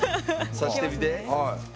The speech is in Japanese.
差してみて。